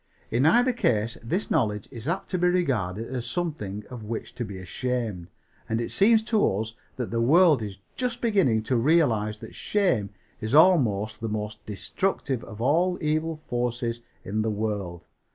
In either case this knowledge is apt to be regarded as something of which to be ashamed, and it seems to us that the world is just beginning to realize that shame is almost the most destructive of all the evil forces in the world.